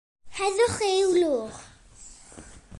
Heddwch i'w lwch.